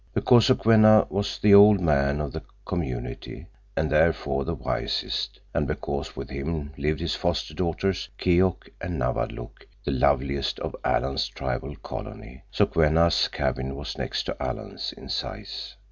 Because Sokwenna was the "old man" of the community and therefore the wisest—and because with him lived his foster daughters, Keok and Nawadlook, the loveliest of Alan's tribal colony—Sokwenna's cabin was next to Alan's in size.